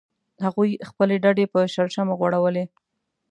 هغوی خپلې ډډې په شړشمو غوړولې